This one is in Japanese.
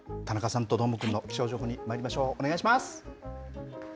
それでは田中さんとどーもくんの気象情報にまいりましょう。